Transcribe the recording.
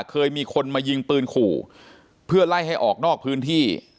เคยมีคนมายิงปืนขู่เพื่อไล่ให้ออกนอกพื้นที่